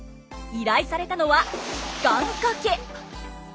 依頼されたのは願掛け！